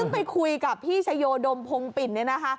ไปคุยกับพี่ชโยดมพงปิ่นเนี่ยนะคะ